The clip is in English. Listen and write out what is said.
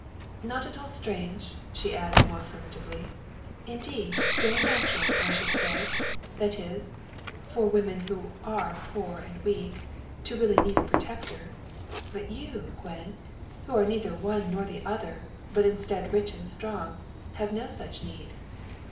"Not at all strange," she adds, more affirmatively. "Indeed very natural, I should say that is, for women who are poor and weak, and really need a protector. But you, Gwen who are neither one nor the other, but instead rich and strong, have no such need."